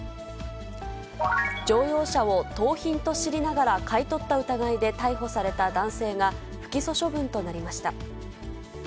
乗用車を盗品と知りながら買い取った疑いで逮捕された男性が、不起訴処分となりました。